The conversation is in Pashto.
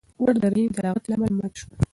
ور د رحیم د لغتې له امله مات شو.